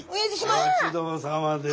お待ち遠さまです。